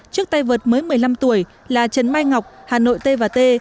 trước tay vợt mới một mươi năm tuổi là trần mai ngọc hà nội t và t